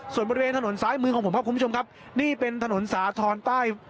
ส่วนบริเวณถนนซ้ายมือของผมครับคุณผู้ชมครับนี่เป็นถนนสาธรณ์ใต้